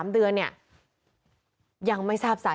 เมื่อวานแบงค์อยู่ไหนเมื่อวาน